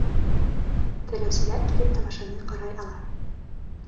Теләүселәр килеп тамашаны ҡарай ала.